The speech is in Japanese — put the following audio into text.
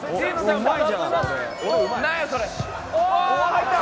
入った！